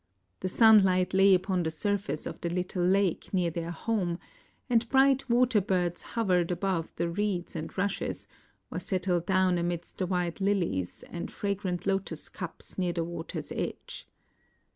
The sun light lay upon the surface of the little lake near their home, and bright water birds hovered above the reeds and rushes, or settled down amidst the white lilies and fragrant lotus cups near the water's edge.